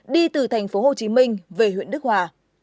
đi từ tp hcm về huyện đức hòa